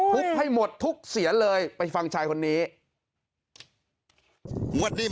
ให้หมดทุกเสียนเลยไปฟังชายคนนี้